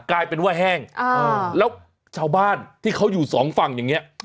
กลายเป็นว่าแห้งแล้วชาวบ้านที่เขาอยู่สองฝั่งอย่างนี้